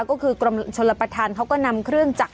ก็คือกรมชนปฐานเขากนำเครื่องจัส